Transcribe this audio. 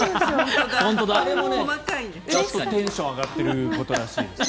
あれもちょっとテンションが上がっていることらしいです。